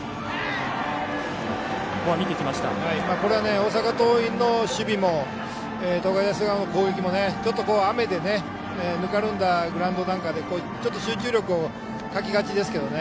大阪桐蔭の守備も東海大菅生の攻撃も雨でぬかるんだグラウンドの中でちょっと集中力を欠きがちですけどね。